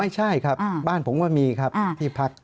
ไม่ใช่ครับบ้านผมก็มีครับที่พัก